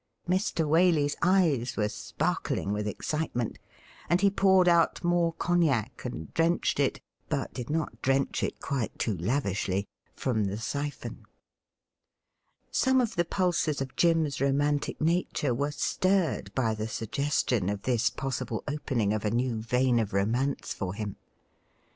Mr. Waley's eyes were sparkling with excitement, and he poured out more cognac and di'enched it — ^but did not drench it quite too lavishly — from the syphon. Some of the pulses of Jim's romantic nature were stin ed by the suggestion of this possible opening of a new vein SOMEONE HAS BLUNDERED 87 of romance for him.